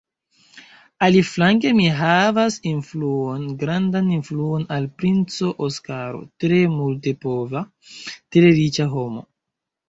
Aliflanke mi havas influon, grandan influon al princo Oskaro, tre multepova, tre riĉa homo.